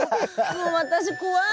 もう私怖い。